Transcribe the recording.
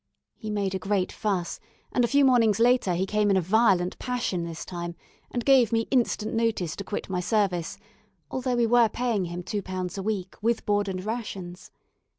He made a great fuss; and a few mornings later he came in a violent passion this time, and gave me instant notice to quit my service, although we were paying him two pounds a week, with board and rations.